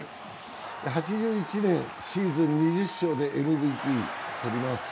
８１年、シーズン２０勝でＭＶＰをとります。